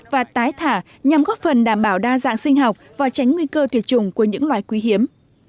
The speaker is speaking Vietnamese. và tái thả nhằm góp phần đảm bảo đa dạng sinh học và tránh nguy cơ tuyệt chủng của những loài quý hiếm